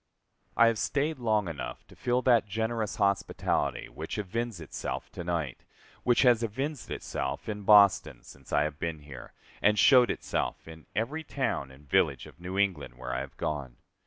I have staid long enough to feel that generous hospitality which evinces itself to night, which has evinced itself in Boston since I have been here, and showed itself in every town and village of New England where I have gone.